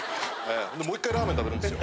もう１回ラーメン食べるんですよ。